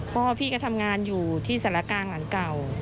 พ่อพี่ก็ทำงานอยู่ที่สารกลางหลังเก่า